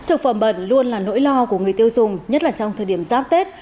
thực phẩm bẩn luôn là nỗi lo của người tiêu dùng nhất là trong thời điểm giáp tết